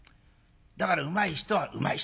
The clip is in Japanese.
だからうまい人はうまい人。